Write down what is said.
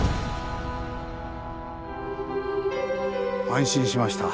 安心しました。